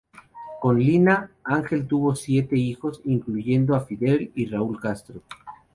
Con Lina, Ángel tuvo siete hijos, incluyendo a Fidel y Raúl Castro.